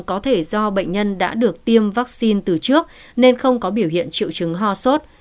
có thể do bệnh nhân đã được tiêm vaccine từ trước nên không có biểu hiện triệu chứng ho sốt